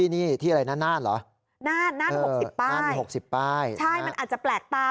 นี่แหละนานหรอนานมี๖๐ป้ายใช่มันอาจจะแปลกตาม